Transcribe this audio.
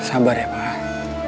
sabar ya pak